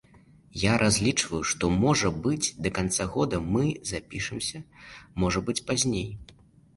Я разлічваю, што, можа быць, да канца года мы запішамся, можа быць пазней.